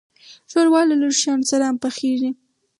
ښوروا له لږو شیانو سره هم پخیږي.